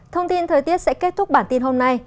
thông tin thời tiết sẽ kết thúc bản tin hôm nay